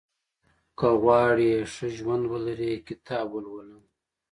• که غواړې ښه ژوند ولرې، کتاب ولوله.